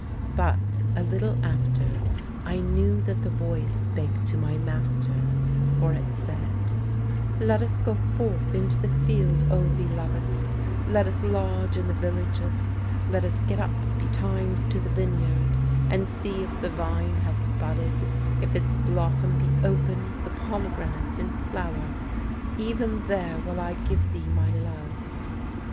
But, a little after, I knew that the voice spake to my master, for it said: "Let us go forth into the field, O beloved: let us lodge in the villages: let us get up betimes to the vineyard and see if the vine have budded, if its blossom be open, the pomegranates in flower. Even there will I give thee my love."